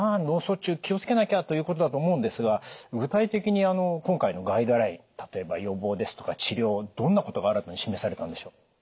脳卒中気を付けなきゃ」ということだと思うんですが具体的にあの今回のガイドライン例えば予防ですとか治療どんなことが新たに示されたんでしょう？